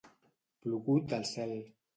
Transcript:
Plogut del cel.